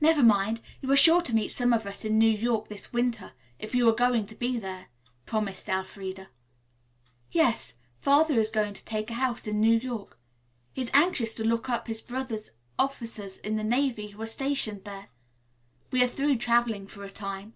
"Never mind, you are sure to meet some of us in New York this winter, if you are going to be there," promised Elfreda. "Yes, Father is going to take a house in New York. He is anxious to look up his brother officers in the Navy who are stationed there. We are through traveling for a time."